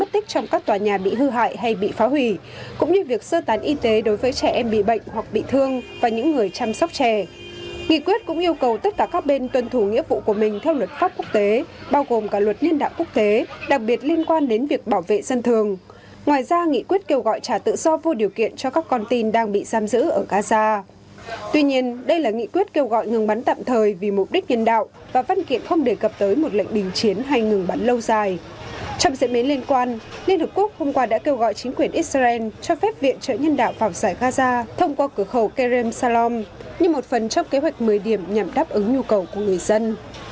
trong diễn biến liên quan liên hợp quốc hôm qua đã kêu gọi chính quyền israel cho phép viện trợ nhân đạo vào giải gaza thông qua cửa khẩu kerem salom như một phần trong kế hoạch mới điểm nhằm đáp ứng nhu cầu của người dân